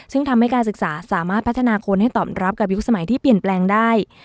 ซึ่งทำให้การศึกษาสามารถพัฒนาคนให้ตอบรับกับยุคสมัยที่เปลี่ยนแปลงได้